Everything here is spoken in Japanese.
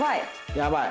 やばい。